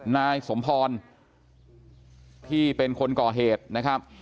นายสมพรที่เป็นคนก่อเหตุนะครับ